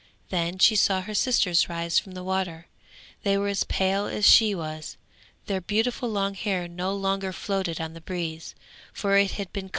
Then she saw her sisters rise from the water; they were as pale as she was; their beautiful long hair no longer floated on the breeze, for it had been cut off.